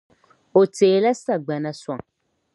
O teela sagbana sɔŋ.